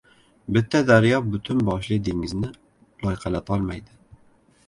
• Bitta daryo butun boshli dengizni loyqalatolmaydi.